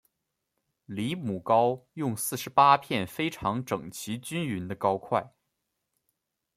离母糕用四十八片非常整齐均匀的糕块。